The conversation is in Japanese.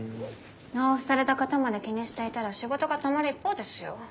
納付された方まで気にしていたら仕事がたまる一方ですよ。